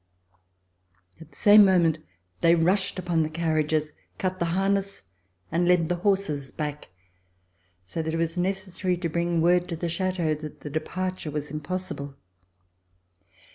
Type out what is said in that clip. At the same mo ment they rushed upon the carriages, cut the harness and led the horses back, so that it was necessary to bring word to the Chateau that the departure was impossible.